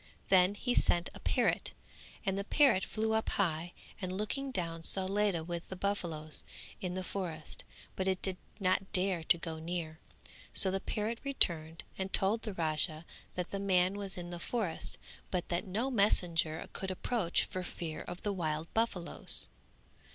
Then he sent a parrot and the parrot flew up high and looking down saw Ledha with the buffaloes in the forest; but it did not dare to go near, so the parrot returned and told the Raja that the man was in the forest but that no messenger could approach for fear of the wild buffaloes.